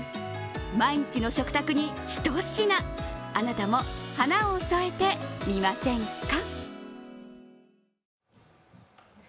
毎日の食卓に一品、あなたも華を添えてみませんか？